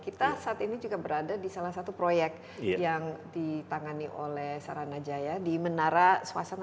kita saat ini juga berada di salah satu proyek yang ditangani oleh saranajaya di menara suasana